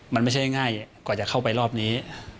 มันไม่ใช่ง่ายกว่าจะเข้าไปรอบนี้